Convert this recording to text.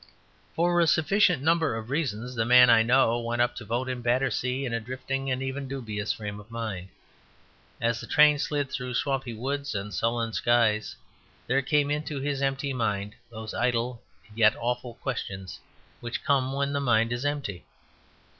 For a sufficient number of reasons, the man I know went up to vote in Battersea in a drifting and even dubious frame of mind. As the train slid through swampy woods and sullen skies there came into his empty mind those idle and yet awful questions which come when the mind is empty.